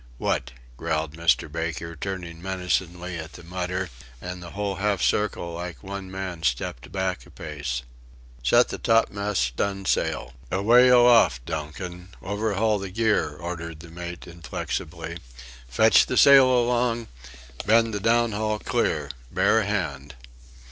"What?" growled Mr. Baker, turning menacingly at the mutter, and the whole half circle like one man stepped back a pace. "Set the topmast stunsail. Away aloft, Donkin, overhaul the gear," ordered the mate inflexibly. "Fetch the sail along; bend the down haul clear. Bear a hand."